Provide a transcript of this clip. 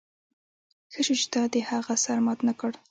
ښه شو چې تا د هغه سر مات نه کړ